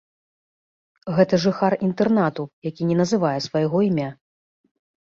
Гэта жыхар інтэрнату, які на называе свайго імя.